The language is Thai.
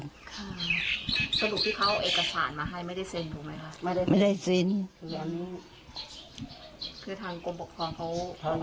สรุปที่เขาเอกสารมาให้ไม่ได้เซนถูกไหมครับ